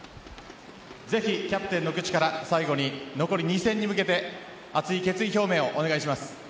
ぜひキャプテンの口から最後に残る２戦に向けて熱い決意表明をお願いします。